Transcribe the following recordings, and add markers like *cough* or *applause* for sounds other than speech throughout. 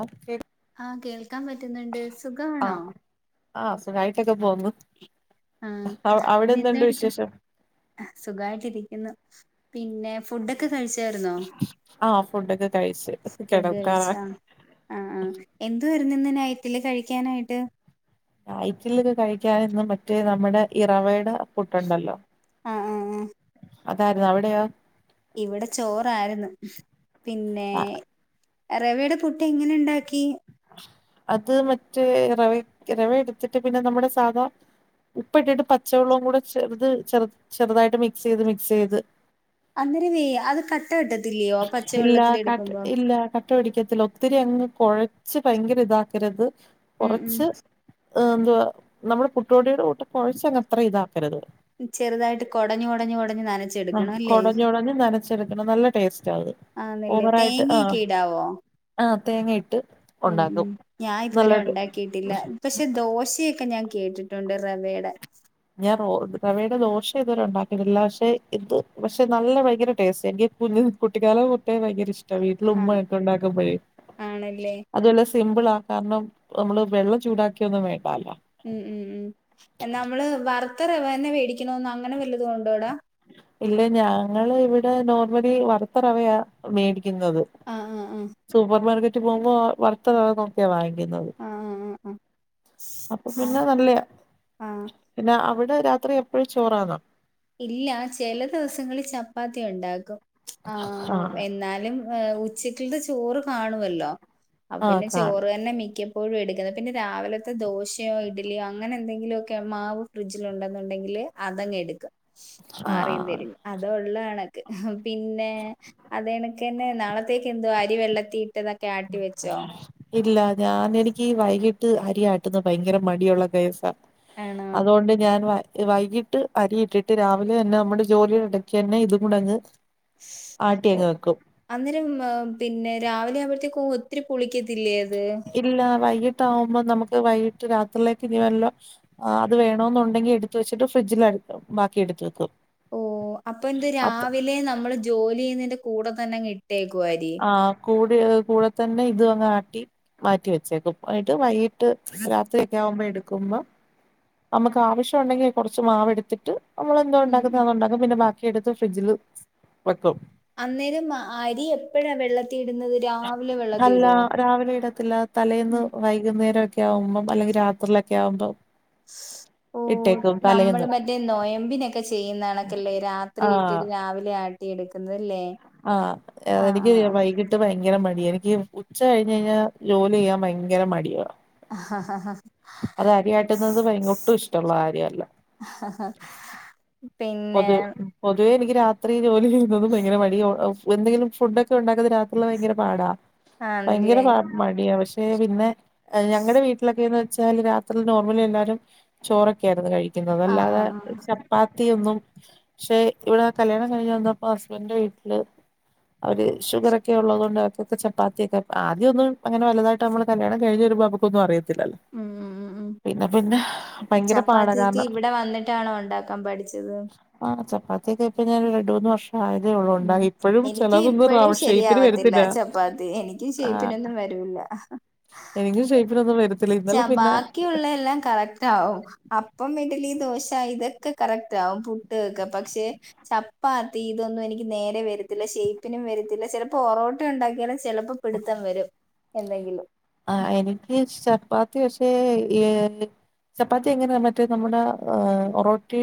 ഓ K ആഹ കേൾക്കാൻ പറ്റുന്നുണ്ട് സുഖാണോ ആഹ് ആഹ് സുഖായിട്ടൊക്കെ പോവുന്നു ആഹ അവിടെ പിന്നെ എന്താ എന്തുണ്ട് എട്ക്കുന്നു വിശേഷം സുഖമായിട്ടിരിക്കുന്നു പിന്നെ ഫുഡൊക്കെ കഴിച്ചായിരുന്നോ ആഹ് ഫുഡൊക്കെ കഴിച്ച് ഫുഡ് കിടക്കാറാ കഴിച്ചാ ആ ആ എന്തുവായിരുന്നു ഇന്ന് നൈറ്റില് കഴിക്കാനായിട്ട് നൈറ്റിൽ കഴിക്കാനിന്ന് മറ്റേ നമ്മുടെ ഇ റവേട പുട്ടുണ്ടല്ലോ ആഹ് ആഹ് ആഹ് അതാർന്നു അവിടെയോ ഇവിടെ ചോറായിരുന്നു പിന്നേ ആ, റവയുടെ പുട്ട് എങ്ങനെ ഇണ്ടാക്കി അത് മറ്റേ റവേ റവ എടുത്തിട്ട് പിന്നെ നമ്മുടെ സാധാ ഉപ്പ് ഇട്ടിട്ട് പച്ചവെള്ളവും കൂടെ ചെറുത് ചെർ ചെറുതായിട്ട് മിക്സെയ്ത് മിക്സെയ്ത് അന്നേരം വേ അത് കട്ട കെട്ടത്തില്ലയോ ഇല്ല പച്ചവെള്ളത്തിൽ കട്ട എടുക്കുമ്പോ ഇല്ല കട്ട പിടിക്കത്തില്ല ഒത്തിരി അങ്ങ് കൊഴച്ച് ഭയങ്കര ഇതാക്കരുത് ഉം ഉം കൊറച്ച് ഏഹ് എന്തുവാ നമ്മള് പുട്ട് പൊടിയുടെ കൂട്ട് കൊഴച്ചങ്ങ് അത്ര ഇതാക്കരുത് ചെറുതായിട്ട് കൊടഞ്ഞു കൊടഞ്ഞു കൊടഞ്ഞു ആഹ് നനച്ചെടുക്കണം അല്ലേ കൊടഞ്ഞ് കൊടഞ്ഞ് നനച്ചെടുക്കണം നല്ല ടേസ്റ്റ് ആന്നല്ലേ ഓവറായിട്ട് ആഹ് തേങ്ങയൊക്കെ ഇടാവോ ആഹ തേങ്ങയിട്ട് ഉം ഉണ്ടാക്കും ഉം ഞാൻ ഇതുവരെ നല്ലായിട്ട് ഒണ്ടാക്കിയിട്ടില്ല പക്ഷെ ദോശയൊക്കെ ഞാൻ കേട്ടിട്ട് ട്ടുണ്ട് റെവേടെ ഞാൻ റോ റവയുടെ ദോശ ഇതുവരെ ഒണ്ടാക്കിയിട്ടില്ല പക്ഷെ ഇത് പക്ഷെ നല്ല ഭയങ്കര ടേസ്റ്റ് എനിക്ക് കുഞ്ഞ് കുട്ടിക്കാലം തൊട്ടേ ഭയങ്കര ഇഷ്ട്ടാ വീട്ടില് ആഹ് ഉമ്മയൊക്കെ ഉണ്ടാക്കുമ്പഴേ ആണല്ലേ അതും അല്ല സിമ്പിളാ കാരണം നമ്മള് വെള്ളം ചൂടാക്കയൊന്നും വേണ്ടാല്ലോ ഉം ഉം ഉം എന്നാ നമ്മള് വറുത്ത റവന്നെ വേടിക്കണോന്ന് അങ്ങനെ വല്ലതും ഒണ്ടോടാ? ഇല്ല ഞങ്ങള് ഇവിടെ നോർമലി വറുത്ത റവയാ മേടിക്കുന്നത് ആഹ് ആഹ് സൂപ്പർ മാർക്കറ്റ് പോകുമ്പോ വറുത്ത റവ നോക്കിയാ വാങ്ങിക്കുന്നത് ആഹ് ആഹ് ആഹ് ആഹ് അപ്പൊ പിന്നെ നല്ലയാ ആഹ് പിന്നെ അവിടെ രാത്രി എപ്പഴും ചോറാന്നോ ഇല്ല ചെല ദിവസങ്ങളി ചപ്പാത്തി ഒണ്ടാക്കും ആഹ് ആഹ് എന്നാലും ഏഹ് ഉച്ചക്കൽത്തെ ചോറ് കാണുവല്ലോ അപ്പ ആഹ് പിന്നെ കാണാം ചോറ് തന്നെ മിക്കപ്പ് പ്പോഴുവെടുക്കുന്നത് പിന്നെ രാവിലത്തെ ദോശയോ ഇഡ്ഡലിയോ അങ്ങനെ എന്തെങ്കിലൊക്കെ മാവ് ഫ്രിഡ്ജിൽ ഒണ്ടെന്നുണ്ടെങ്കില് അതങ്ങ് എട്ക്കും മാറിയും ആഹ് തിരിഞ്ഞ് അത് ഒള്ള കണക്ക് പിന്നെ അത് കണക്കെന്നെ നാളത്തേക്ക് എന്തുവാ അരി വെള്ളത്തി ഇട്ടതൊക്കെ ആട്ടി ഉ വെച്ചോ ഇല്ല ഞാനെനിക്ക് ഈ വൈകിട്ട് അരിയാട്ട്ന്നെ ഭയങ്കര മടിയുള്ള കേസാ ആണോ അതോണ്ട് ഞാൻ വ വൈകിട്ട് അരിയിട്ടിട്ട് രാവിലെ തന്നെ നമ്മടെ ജോലി എടയ്ക്ക് തന്നെ ഇതും കൂടങ്ങ് ആട്ടി ഓ അങ്ങ് വെക്കും അന്നേരം ഏം പിന്നെ രാവിലെ ആവ്മ്പഴ്ത്തേക്കും ഒത്തിരി പൊളിക്കത്തില്ലേ അത് ഇല്ല വൈകിട്ട് ആവുമ്പോ നമുക്ക് വൈകിട്ട് രാത്രിയിലേക്ക് ഇനി വല്ലോ ആഹ് അത് വേണോന്ന് ഒണ്ടെങ്കി എടുത്ത്‌ വെച്ചിട്ട് ഫ്രിഡ്ജിൽ ബാക്കി എടുത്തുവെക്കും ഓ അപ്പൊ എന്ത് രാവിലെ നമ്മള് ജോലി ചെയ്യുന്നതിന്റെ കൂടെ തന്നെ അങ്ങ് ഇട്ടേക്കുവോ അരി? ആഹ് കൂടെ കൂടെ തന്നെ ഇതും അങ്ങ് ആട്ടി മാറ്റി വെച്ചേക്കും എന്നിട്ട് വൈകിട്ട് രാത്രി ഒക്കെ ആകുമ്പോ എടുക്കുമ്പോ നമ്മക്ക് ആവശ്യം ഒണ്ടെങ്കി കൊറച്ച് മാവ് എടുത്തിട്ട് നമ്മളെന്തോ ഉം ഒണ്ടാക്കുന്നത് ഉം അതുണ്ടാക്കും പിന്നെ ബാക്കി ക്കി എടുത്ത് ഫ്രിഡ്ജിലും വെക്കും അന്നേരം മ അരി എപ്പഴാ വെള്ളത്തി ഇടുന്നത് രാവിലെ വെള്ളത്തി അല്ല ഇടുവോ രാവിലെ ഇടത് ത്തില്ല ഉം തലേന്ന് വൈകുന്നേരം ഒക്കെ ആവുമ്പോം അല്ലെങ്കിൽ രാത്രിയിലൊക്കെ ആകുമ്പോ ഓഹ് ഓഹ് നമ്മള് മറ്റേ നൊയമ്പിനൊക്കെ ചെയ്യുന്ന കണക്കല്ലേ രാത്രി ആഹ് ഇട്ടിട്ട് രാവിലെ ആട്ടി ട്ടി എടുക്കുന്നത് ല്ലേ ആഹ് എ എനിക്ക് വൈകിട്ട് ട്ട് ഭയങ്കര മടിയാ എനിക്ക് ഉച്ച കഴിഞ്ഞ് കഴിഞ്ഞാൽ ജോലി ചെയ്യാൻ ഭയങ്കര മടിയാ ഹാ ഹാ ഹാ അത് അരിയാട്ടുന്നത് ഭയങ്ക് ഒട്ടും ഇഷ്ടമുള്ള കാര്യല്ല ആഹ ഹ പൊതുവെ പൊതുവേ എനിക്ക് രാത്രി ജോലി ചെയ്യുന്നതും ഭയങ്കര മടിയാ ഒ എ എന്തെങ്കിലും ഫുഡ് ഒക്കെ ഒണ്ടാക്കുന്നത് രാത് ഉള്ള ഭയങ്കര പാടാ ഭയങ്കര ആണല്ലേ പാട് മടിയാ പക്ഷെ പിന്നെ ഏഹ് ഞങ്ങടെ വീട്ടിലെക്കേന്ന് വെച്ചാല് രാത്രി നോർമലി എല്ലാരും ചോറൊക്കെ ആയിരുന്നു കഴി പിന്നെ ഒന്നു ആഹ് അല്ലാതെ ആഹ് ആഹ് ചപ്പാത്തി ഒന്നും പക്ഷെ ഇവിടെ കല്യാണം കഴിഞ്ഞ് വന്നപ്പോ ഹസ്ബന്റിന്റെ വീട്ടില് അവര് ഷുഗർ ഒക്കെ ഒള്ളത് കൊണ്ട് അവർക്ക് ഒക്കെ ചപ്പാത്തിയൊക്കെ ആദ്യം ഒന്നും അങ്ങനെ വലുതായിട്ട് നമ്മൾ കല്യാണം കഴിഞ്ഞു വരുമ്പോ നമ്മക്ക് ഇപ്പോന്നും അറിയത്തില്ലല്ലോ ഉം ഉം ഉം ഉം പിന്നെ പിന്നെ ഭയങ്കര പാട കാരണം റ്റാണോ ഉണ്ടാക്കാം പഠിച്ചത് ആ ചപ്പാത്യോക്കെ ഇപ്പൊ ഞാൻ രണ്ട് മൂന്ന് വർഷം ആയതെഉള്ളൂട്ടാ ഉം ഇപ്പഴും എനിക്കും ചിലതൊന്നും ഇപ്പഴും റൗണ്ട് ഷെയ്പ്പില് ശരിയാവത്തില്ല വരത്തില്ല. ആഹ് ഇല്ലാ ഹ് ഹ വരത്തില്ല ച ഇന്നലെ പിന്നെ ബാക്കിയുള്ള എല്ലാം കറക്റ്റ് ആവും. അപ്പം ഇഡ്ഡ്ലി ദോശ ഇതൊക്കെ കറക്റ്റ് ആവും. പുട്ട് ഒക്കെ. പക്ഷെ ചപ്പാത്തി ഇതൊന്നും എനിക്ക് നേരെ വെരത്തില്ല ഷെയിപ്പിനും വെരത്തില്ല ചിലപ്പോ ഒറോട്ട ഉണ്ടാക്കിയാലും ചെലപ്പോ പിടുത്തം വരും. എന്തെങ്കിലും ആ എനിക്ക് ചപ്പാത്തി പക്ഷേ ഈ ചപ്പാത്തി എങ്ങനെ മറ്റേ നമ്മുടെ ഒറോട്ടി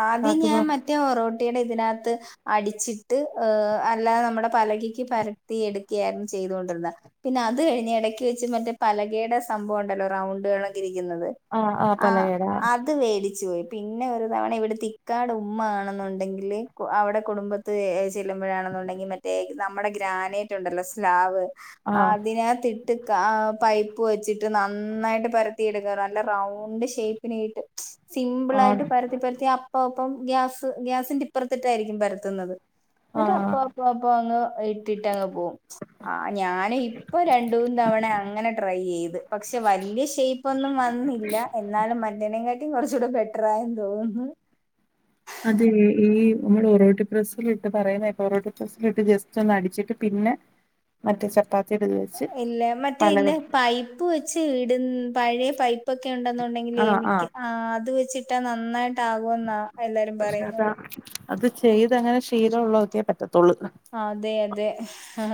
ആദ്യം ഇതാക്കുന്ന ഞാൻ മറ്റേ ഒറോട്ടീടെ ഇതിനകത്ത് അടിച്ചിട്ട് അ് അല്ലാതെ നമ്മുടെ പലകക്ക് പരത്തി എടുക്കുകയായിരുന്നു ചെയ്തുകൊണ്ടിരുന്നെ. പിന്നെ അത് കഴിഞ്ഞ് എടക്ക് വെച്ച് മറ്റേ പലകേടെ സംഭവം ഉണ്ടല്ലോ റൗണ്ട്കളൊക്കെ ഇരിക്കുന്നത്. ആഹ് ആഹ് അ പലകേടെ അത് വേടിച്ചു പോയി പിന്നെ ഒരു നമ്മളെ ഇവിട്ത്തെ ഇക്കാടെ ഉമ്മ ആണെന്നുണ്ടെങ്കിൽ അവിടെ കുടുംബത്ത് ചെല്ലുമ്പോഴാണെന്നുണ്ടെങ്കിൽ മറ്റ് തെക്ക് നമ്മുടെ ഗ്രാനേറ്റ് ഉണ്ടല്ലോ സ്ലാവ് ആഹ് അതിനകത്ത് ഇട്ട് ട്ട് ആ പൈപ്പ് വെച്ചിട്ട് നന്നായിട്ട് പരത്തി എടുക്കാറ് നല്ല റൗണ്ട് ഷേയ്പ്പിന് കിട്ടും ആഹ് സിംമ്പിളായിട്ട് *unintelligible* അത്തിപ്പറ്റിഅപ്പപ്പം ഗ്യാസ്ഗ്യാസിന്റെ ഇപ്പറ്ത്തിട്ടായിരിക്കും പരത്തുന്നത് ആഹ് എന്നിട്ട്അപ്പം അപ്പൊ അപ്പൊ അങ്ങ് ഇട്ടിട്ട് അങ്ങ്പോകും. ആ ഞാന് ഇപ്പൊ രണ്ട് മൂന്ന് തവണ അങ്ങനെ ട്രൈ യ്ചെയ്ത് പക്ഷെ വലിയ ഷേയ് പ്പൊന്നും വന്നില്ല എന്നാലും മറ്റീനെകാട്ടിം കൊറ്ച്ചൂടെ ബെട്ട്റായെന്ന് തോന്നുന്നു. അത് എ *unintelligible* ഈ നമ്മൾ ഒറോട്ടി പ്രസ്സിലിട്ട് പറയുന്ന ഒറോട്ടി പ്രസ്സിലിട്ട് ജസ്റ്റൊന്ന് അടിച്ചിട്ട് പിന്നെ മറ്റേ ചപ്പാത്തി ഇട്ല് ഇല്ല മറ്റേ ഇല്ല പൈപ്പ് വെച്ച് ഇടും പഴെ പൈപ്പ് പൈപ്പൊക്കെ ഉണ്ടെന്നുണ്ടെങ്കിലേ എനിക്ക് ആഹ് അത് വെച്ചിട്ടാ നന്നായിട്ട് ആകും എന്നാ. പക്ഷെ അതാ അത് ചെയ്തങ്ങനെ ശീലള്ളോർക്കെ പറ്റത്തുള്ളൂ. അതെ അതെ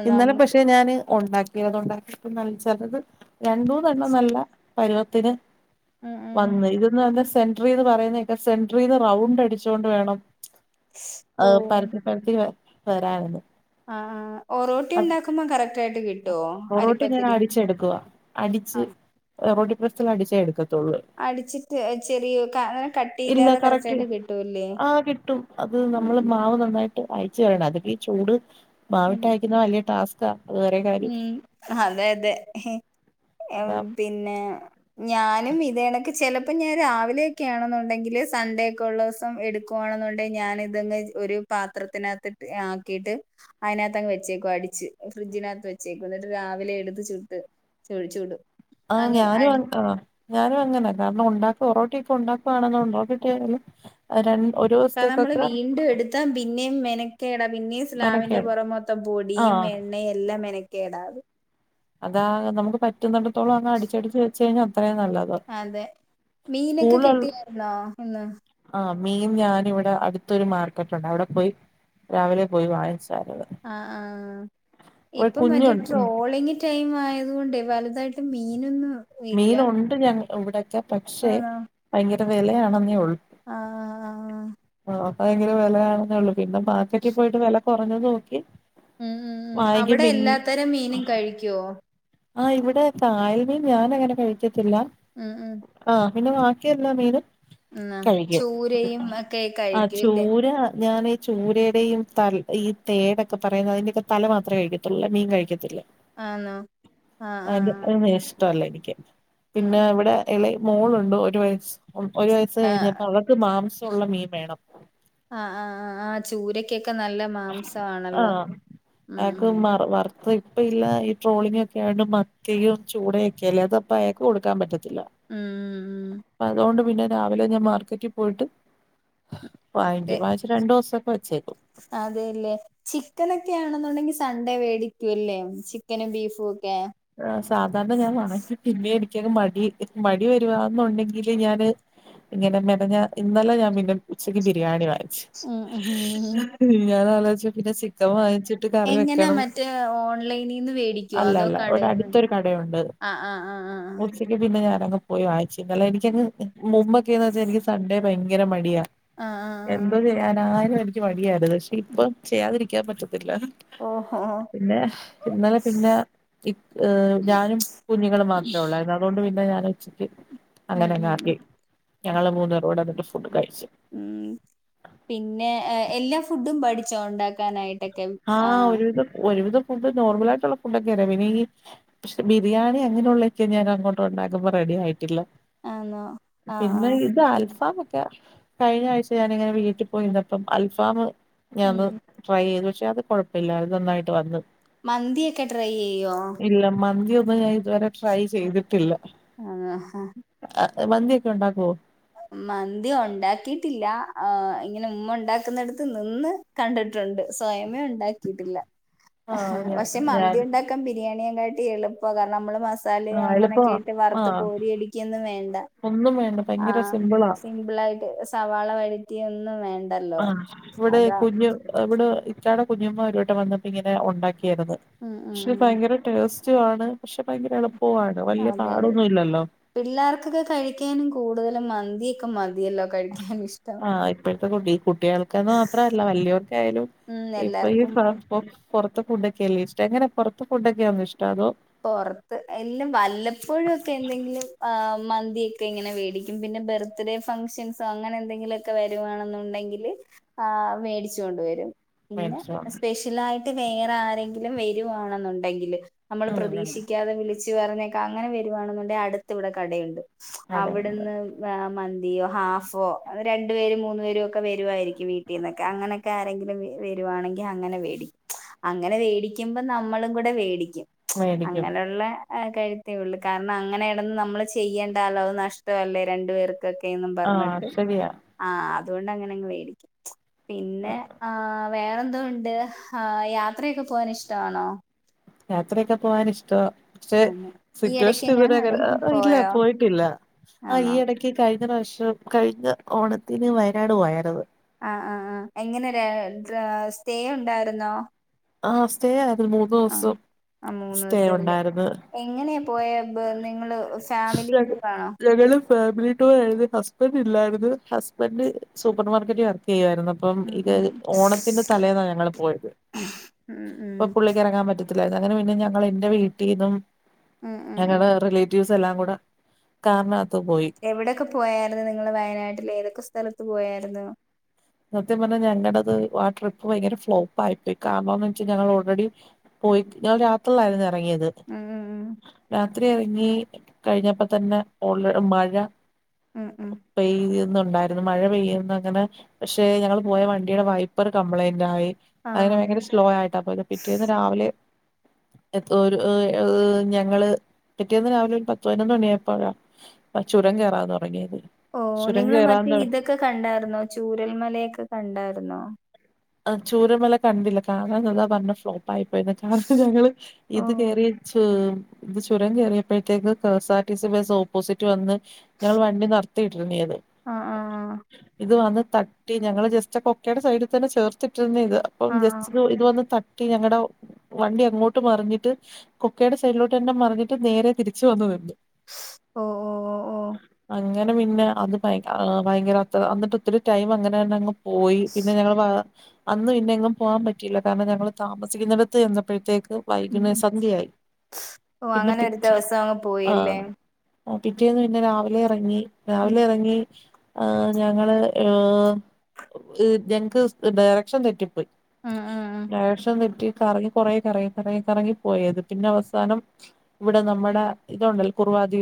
ഇന്നലെ നമുക്ക് പക്ഷെ ഞാന് ഒണ്ടാ ഉണ്ടാക്കിയിട്ട് നല്ലത് ചെലത് രണ്ടൂന്നെണ്ണം നല്ല പരുവത്തിന് ഉം ഉം വന്ന് ഇതന്ന് പറഞ്ഞാ സെന്ററീന്ന് പറയുന്നേക്കാം സെന്ററീന്ന് റൗണ്ട് അടിച്ചുകൊണ്ട് വേണം അ് ഓഹ് പരത്തി പരത്തി വരായിര്ന്ന് ആഹ് ഒറോട്ടി ഉണ്ടാക്കുമ്പോ കറക്റ്റായിട്ട് കി ഒറോട്ടി ഞാൻ അടിച്ചെടുക്കുവാ. ആ അടിച്ച് ഒറോട്ടി പ്രസ്സിൽ അടിച്ചാ എടുക്കത്തുള്ളൂ. അടിച്ചിട്ട് ചെറിയ അ് ഇല്ല കട്ടിയില്ലാതെ കറക്റ്റാ? കറക്റ്റ് യിട്ട് കിട്ടൂല്ലേ ആഹ് കിട്ടും. അത് ഉം നമ്മള് ഉം മാവ് നന്നായിട്ട് അയച്ചു വരണം അതിപ്പൊ ഈ ചൂട് ഉം മാവിട്ട് അയക്കുന്ന വലിയ ടാസ്കാ അത് വേറെ കാര്യം. ഉം അതെ അതെ അ്ഹ് എം അതാ പിന്നെ ഞാനും ഇതേണക്ക് ചെലപ്പോ ഞാൻ രാവിലെയൊക്കെയാണെന്നുണ്ടെങ്കില് സൺഡേ ഒക്കെ ഉള്ള ദിവസം എടുക്കും. പോണെന്നുണ്ടേ ഞാൻ ഇതങ്ങ് ഒരു പാത്രത്തിനകത്ത് ആക്കീട്ട് അയിനകത്തങ്ങ് വെച്ചേക്കുവാ അടിച്ച്. ഫ്രിഡ്ജിനക വെച്ചേക്കും ന്നിട്ട് രാവിലെ എടുത്ത് ചുട്ട് ചുടും. ആഹ് അങ്ങനെ ഞാനും അടി അ ആഹ് ഞാനും അങ്ങനെ കാരണം ഉണ്ടാക്ക ഒറോട്ടിയൊക്കെ ഉണ്ടാക്കുകയാണെന്ന ഉണ്ടോട്ടിട്ടാലും. രണ്ട് ഒരു ദിവസത്തേക്കൊക്ക ത്തം പിന്നേം മെനക്കേടാ പിന്നേം സ്ലാവിന്റെ മെനക്കേട് പുറം മൊത്തം പൊടിയും ആഹ് എണ്ണേം എല്ലാം മെന കേടാവും. അതാ നമുക്ക് പറ്റുന്നണ്ടിത്തോളം അങ്ങ് അടിച്ചടിച്ച് വെച്ചെഴിഞ്ഞാ അത്രെം നല്ലത്. അതെ മീനൊക്കെ കിട്ടിയാരുന്നോ ഇന്ന് ആഹ് മീൻ ഞാനിവിടെ അടുത്തൊരു മാർക്കറ്റ് ഉണ്ട് അവിടെ പോയി രാവിലെ പോയി വാങ്ങിച്ചാരുന്ന് ആഹ് ആഹ് ഇപ്പൊ മറ്റേ കുഞ്ഞുണ്ട് ട്രോളിംഗ് ടൈം ആയതുകൊണ്ട് വലുതായിട്ട് മീനൊന്നും ഇല്ല മീൻ ഉണ്ട് ഞങ്ങ ഇവിടൊക്കെ പക്ഷെ ആണോ ഭയങ്കര വിലയാണെന്നേ ഉള്ളു ആഹ് ആഹ് ആഹ് ഭയങ്കര വിലയാണെന്നേ ഉള്ളു പിന്നെ മാർക്കറ്റിൽ പോയിട്ട് വിലക്കുറഞ്ഞത് നോക്കി ഉം ഉം ഉം വാങ്ങിക്കും അവിടെ പിൻ എല്ലാത്തരം മീനും കഴിക്കുവോ ആഹ് ഇവിടെ കായൽ മീൻ ഞാൻ അങ്ങനെ കഴിക്കത്തില്ല ഉം ഉം ആഹ് പിന്നെ ബാക്കിയെല്ലാ മീനും ന്നാ കഴിക്കും ചൂരയും ഒക്കെ ആഹ് കഴിക്കുംല്ലേ ചൂരാ ഞാനേ ചൂരയുടെയും ത ഈ തേടൊക്കെ പറയുന്ന അതിന്റെയൊക്കെ തല മാത്രമേ കഴിക്കത്തുള്ളൂ മീൻ കഴിക്കത്തില്ല ആന്നോ ആഹ് ആഹ് അതൊന്നും ഇഷ്ടമല്ല എനിക്ക് ഉം പിന്നെ ഉം ഇവിടെ ഇളേ മോളുണ്ട് ഒരു വയസ് ഒരു വയസ്സ് ആഹ് കഴിഞ്ഞപ്പം അവൾക്ക് മാംസമുള്ള മീൻ വേണം ആഹ് ആഹ് ആഹ് ചൂരക്കൊക്കെ നല്ല മാംസമാണല്ലോ ആഹ് ഉം അതൊക്കെ ഉം മാറി മാറി അത് ഇപ്പം ഇല്ല ഈ ട്രോളിങ്ങ് ഒക്കെ ആയോണ്ട് മത്തിയും ചൂടയൊക്കെയല്ലേ അതപ്പം അയാക്ക് കൊടുക്കാൻ പറ്റത്തില്ല ഉം ഉം അതുകൊണ്ട് പിന്നെ രാവിലെ ഞാൻ മാർക്കറ്റിൽ പോയിട്ട് വാങ്ങിച്ച് വാങ്ങിച്ച് രണ്ടു ദിവസൊക്കെ വെച്ചേക്കും അതേല്ലേ ചിക്കനൊക്കെയാണെന്നുണ്ടെങ്കിൽ സൺഡേ മേടിക്കൂല്ലേ ചിക്കനും ബീഫും ഒക്കെ ആഹ് സാധാരണ ഞാൻ *unintelligible* പിന്നെ എനിക്ക് മടി മടി വരുവാന്നുണ്ടെങ്കില് ഞാന് ഇങ്ങനെ മെനഞ്ഞാ ഇന്നലെ ഞാൻ പിന്നെ ഉച്ചക്ക് ബിരിയാണി വാങ്ങി *unintelligible* മിനിഞ്ഞാന്ന് ആലോചിച്ച് പിന്നെ ചിക്കൻ വാങ്ങിച്ചിട്ട് കറി എങ്ങനാ വെക്കണം മറ്റേ ഓൺലൈനിന്ന് വേടിക്കുവോ അല്ല അതോ അല്ല ഇവടെ കടേന്ന് അടുത്തൊരു കടയുണ്ട് ആഹ് ആഹ് ആഹ് പിന്നെ പിന്നെ ഞാനങ്ങ് പോയി വാങ്ങിച്ച് ഇന്നലെ എനിക്കങ്ങ് മുമ്പൊക്കെയന്ന് വെച്ചാ എനിക്ക് സൺണ്ടേ ഭയങ്കര മടിയാ ആഹ് ആഹ് എന്തോ ആഹ് ചെയ്യാനായാലും എനിക്ക് മടിയാണ് പക്ഷെ ഇപ്പ ചെയ്യാതിരിക്കാൻ പറ്റത്തില്ല ഓഹോ പിന്നെ ഇന്നലെ പിന്നെ ഏഹ് ഞാനും കുഞ്ഞുങ്ങളും മാത്രമേ ഉള്ളായിരുന്നു അതുകൊണ്ട് പിന്നെ ഞാൻ ഉച്ചക്ക് ഉം അങ്ങനെങ്ങാക്കി ഉം ഞങ്ങള് മൂന്നൂപേരും കൂടെ എന്നിട്ട് ഫുഡ് കഴിച്ചു ഉ പിന്നെ എല്ലാ ഫുഡും പഠിച്ചോ ഉണ്ടാക്കാനായിട്ടൊ ആഹ് ഒരുവിധം ഒരുവിധം ഫുഡ് നോർമൽ ആയിട്ടുള്ള ഫുടൊക്കെ അറിയാ പിന്നെ ഈ പക്ഷെ ബിരിയാണി അങ്ങനെയുള്ളതൊക്കെ ഞാൻ അങ്ങോട്ട് ഇണ്ടകുമ്പോ റെഡി ആയിട്ടില്ല ആന്നോ ആഹ് പിന്നെ ആഹ് ഇത് അൽഫാമൊക്ക കഴിഞ്ഞ ആഴ്ച ഞാനിങ്ങനെ വീട്ടിൽ പോയിരുന്നപ്പം അൽഫാം ഞാൻ ഉം ഒന്ന് ട്രൈ ചെയ്ത് പക്ഷെ അത് കുഴപ്പയിലായിരുന്നു അത് നന്നായിട്ട് വന്നു മന്തിയൊക്കെ ട്രൈ ചെയ്യോ ഇല്ല മന്തി ഒന്നും ഞാൻ ഇതുവരെ ട്രൈ ചെയ്തിട്ടില്ല ആഹ് മന്തിയൊക്കെ ഉണ്ടാക്കുവോ മന്തി ഉണ്ടാക്കിട്ടില്ല ആഹ് ഇങ്ങനെ ഉമ്മ ഉണ്ടാക്കുന്നിടുത്ത് നിന്ന് കണ്ടിട്ടുണ്ട് സ്വയമേ ഉണ്ടാക്കിയിട്ടില്ല ആഹ് ഞ പക്ഷെ ഞാൻ മന്തി ഉണ്ടാക്കാൻ ബിരിയാണിയെകാട്ടി എളുപ്പം അതാണ് നമ്മള് മസല് ആഹ് എളുപ്പവാ അങ്ങനെയൊക്കെയിട്ട് വറുത്ത് ആഹ് കോരി എടുക്കൊന്നും വേണ്ട ഒന്നും വേണ്ട ഭയങ്കര ആഹ സിമ്പിളാ സിപിള് ആയിട്ട് സവാള വഴിറ്റിയ ഒന്നും വേണ്ട ആഹ് ഇവിടെ കുഞ്ഞു ഇവിടെ ഇത്തായുടെ കുഞ്ഞമ്മ ഒരുവട്ടം വന്നപ്പോ ഇങ്ങനെ ഉണ്ടാക്കിരുന്നു ആഹ് ആഹ് ത് ഭയങ്കര ടേസ്റ്റണ് പക്ഷെ ഭയങ്കര എളുപ്പവുമാണ് വലിയ അതെ അതെ പാടൊന്നും ഇല്ലല്ലോ പിള്ളേർക്കൊക്കെ കഴിക്കാനും കൂടുതലും മന്തിയൊക്കെ മതിയല്ലോ കഴിക്കാനും ഇഷ്ടം ആ ഇപ്പോഴത്തെ കുട്ടിയാൾക്കന്ന് മാത്രല്ല വലിയവർക്ക ആയാലും ഉം ഇപ്പൊ ഈ എല്ലാർക്കും മ പൊറത്ത് ഫുഡൊക്ക അല്ലേ ഇഷ്ടം എങ്ങനെ പൊറത്തെ ഫുഡൊക്കെയാണോ ഇഷ്ടം അതോ പൊറത്ത് എല്ല വല്ലപ്പോഴക്കെ എന്തെങ്കിലും മന്തിയൊക്കെ ഇങ്ങനെ മേടിക്കും പിന്നെ ബർത് ബർത്ത്ഡേ ഫംഗ്ഷൻസോ അങ്ങനെ എന്തെങ്കിലുമൊക്കെ വരുവാണെന്നുണ്ടെങ്കിൽ ആ മേടിച്ചു കൊണ്ടുവരും പിന്നെ മേടിച്ചോ സ്പെഷ്യലായിട്ട് വേറെ ആരെങ്കിലും വരുവാണെന്നുണ്ടെങ്കില് നമ്മൾ ഉം ഉം പ്രതീക്ഷിക്കാതെ വിളിച്ചു പറഞ്ഞേക്കെ അങ്ങനെ വരുവാണെന്നുണ്ടെിൽ അടുത്തിവിടെ കടയുണ്ട് അതെ അതെ അവിടുന്ന് മന്തിയോ ഹാഫോ രണ്ടു പേരും മൂന്നു പേരും ഒക്കെ വരുവായിരിക്കും വീട്ടിൽന്നൊക്കെ അങ്ങനെ ആരെങ്കിലും വരുവാണെങ്കിൽ അങ്ങനെ വേടിക്കും അങ്ങനെ വേ ടിക്കുമ്പോൾ നമ്മളും കൂടെ വേ ടിക്കും മേടിക്കും അങ്ങനെയുള്ള കഴുത്തേയോള്ളൂ കാരണം അങ്ങനെ ഇടന്ന് നമ്മൾ ചെയ്യേണ്ടല്ലോ അത് നഷ്ടമല്ലേ രണ്ടു പേർക്ക് എന്തൊക്കന്ന് ആഹ് പറഞ്ഞിട്ട് ശരിയാ ആഹ അതുകൊണ്ട് അങ്ങനെങ്ങ് മേടിക്കും പിന്നെ ആ വേറെ എന്തോ ഉണ്ട് ആഹ് യാത്രയൊക്കെ പോവാൻ ഇഷ്ടമാണോ യാത്രയൊക്കെ പോവാൻ ഇഷ്ടവാ പക്ഷെ ആന്ന് ഈ സിറ്റുവേഷൻ ഇടയ്ക്കെങ്ങാണ് ഇതുവരെ എവിടെയെങ്കിലും ഇല്ല പോയോ പോയിട്ടില്ല ആ ഈ ആന്നോ ഇടക്ക് കഴിഞ്ഞ വർഷം കഴിഞ്ഞ ഓണത്തിന് വയനാട് പോയത് ആ ആ ആ എങ്ങനെ സ്റ്റേ ഉണ്ടായിരുന്നോ ആഹ് സ്റ്റേ ആയിരുന്നു മൂന്ന് ആ ദിവസം ആ മൂന്ന് സ്റ്റേ ദിവസല്ലേ ഉണ്ടായിരുന്നു എങ്ങനെയാ പോയെ നിങ്ങള് ഫാമിലി ഞങ്ങ ടൂറാണോ ഞങ്ങള് ഫാമിലി ടൂർ ആയിരുന്നു. ഹസ്ബൻഡറ് ഇല്ലായിരുന്നു. ഹസ്ബൻഡ് സൂപ്പർ മാർക്കറ്റിൽ വർക്ക് ചെയ്യായിരുന്നു. അപ്പം ഉം ഇത് ഉം ഉം ഓണത്തിന്റെ തലേന്നാണ് ഞങ്ങൾ പോയത്. ഉം ഇപ്പൊ പുള്ളിക്കാരൻ ഇറങ്ങാൻ പറ്റത്തില്ലായിരുന്നു അങ്ങനെ പിന്നെ ഞങ്ങൾ എന്റെ വീട്ടിൽന്നും ഉം ഉം ഉം ഞങ്ങളുടെ റിലേറ്റീവ്സ് എല്ലാം കൂടെ കാറിനകത്ത് പോയി. എവിടെയൊക്കെ പോയായിരുന്നു നിങ്ങള് വയനാട്ടിൽ ഏതൊക്കെ സ്ഥലത്ത് പോയായിരുന്നു. സത്യം പറഞ്ഞാ ഞങ്ങളടത് ആ ട്രിപ്പ് ഭയങ്കര ഫ്ലോപ്പയി പോയി കാരണം ന്തന്ന്ന് വെച്ചാൽ ഞങ്ങൾ ഓൾറെഡി പോയി ഞാൻ രാത്രിലായിരുന്നു ഇറങ്ങിയത് ഉം ഉം രാത്രി ഇറങ്ങി കഴിഞ്ഞപ്പോ തന്നെ ഓള് മഴ ഉ ഉ പെയ്യുന്നുുണ്ടായിരുന്നു മഴ പെയ്യുന്നു അങ്ങനെ പക്ഷെ ഞങ്ങള് പോയ വണ്ടിയുടെ വൈപ്പർ കംപ്ലൈന്റ് ആയി അങ്ങനെ ആഹ് ഭയങ്കര സ്ലോ ആയിട്ടാ പോയത് പിറ്റേന്ന് രാവിലെ ഒരു ഒ ഒ ഞങ്ങള് പിറ്റേന്ന് രാവിലെ ഒരു പത്ത് പതിനൊന്ന് മണിയായപ്പോഴാ ആ ചുരം കയറാൻ തുടങ്ങിയത്. ഓ ചുരം നിങ്ങള് മറ്റേ കേറാൻ ഇതൊക്കെ കണ്ടായിരുന്നോ ചൂരൽമലയൊക്കെ കണ്ടായിരുന്നോ ആ ചൂരമല കണ്ടില്ല കാണാൻ നിന്ന തെന്നെ ഫ്ലോ അയിപ്പോയിന്ന കാരണം ഞങ്ങള് ഓ ഇത് കേയറിച്ച് ഇത് ചുരം കയറിയപ്പോഴത്തേക്ക് K S R T C bus opposite വന്ന് ഞങ്ങൾ വണ്ടി ആഹ് *unintelligible* ആഹ് ഇത് വന്ന് തട്ടി ഞങ്ങള് ജസ്റ്റ് കൊക്കയുടെ സൈഡിൽ തന്നെ ചേർ ട്ട ഇത് അപ്പം ആഹ് ജസ്റ്റ് ഇത് വന്ന് തട്ടി ഞങ്ങളടെ വണ്ടി അങ്ങോട്ട് മറിഞ്ഞിട്ട് കൊക്കയുടെ സൈഡിലോട്ട് തെന്നെ മറിഞ്ഞിട്ട് നേരെ തിരിച്ചു വന്നു നിന്നു. ഓ ഓ ഓ ഓ അങ്ങനെ പിന്നെ അത് ഭയങ്കര അന്ന് ഒത്തിരി ടൈം അങ്ങനെ അങ് പോയി പിന്നെ ഞങ്- അന്ന് പിന്നെ എങ്ങും പോകാൻ പറ്റിയില്ല കാരണം ഞങ്ങള് താമസിക്കുന്നിടത്ത് ചെന്നപ്പോഴത്തേക്ക് ഉം വൈകുന്നേ ഉം. സന്ധ്യയായി ഓ പിന്നെ അങ്ങനെ ഒരു ദിവസം *unintelligible* അങ്ങ് പോയില്ലേ ആഹ് ആഹ് പിറ്റേന്ന് പിന്നെ രാവിലെ ഇറങ്ങി ഉം രാവിലെ ഇറങ്ങി ആഹ് ഞങ്ങള് ഹ് ഞങ്ങക്ക് ഡയറക്ഷൻ തെറ്റും. ഉം ഉം *unintelligible* ഉം. ഡയറെക്ഷൻതെട്ടി കറങ്ങി കുറ കറങ്ങി കറങ്ങി കറങ്ങി പോയത് പിന്നെ അവസാനം ഇവിടെ നമ്മുടെ ഇതൊണ്ടല്ല കുറുവാ ദ്വീ